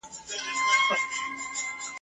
خو په زړه کي پټ له ځان سره ژړېږم ..